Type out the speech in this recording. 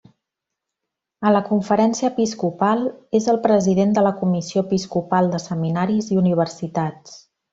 A la Conferència Episcopal és el President de la Comissió Episcopal de Seminaris i Universitats.